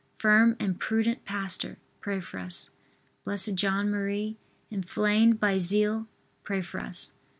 firm and prudent pastor, pray for us. B. J. M., inflamed by zeal, pray for us.